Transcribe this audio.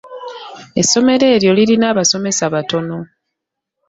Essomero eryo lirina abasomesa batono.